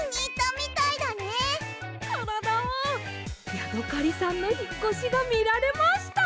ヤドカリさんのひっこしがみられました！